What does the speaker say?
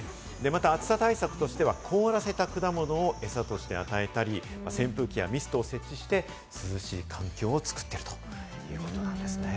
暑さ対策としては凍らせた果物をエサとして与えたり、扇風機やミストを設置して涼しい環境を作ったり、しているということなんですね。